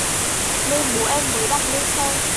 Nên bố em mới đặt lên xe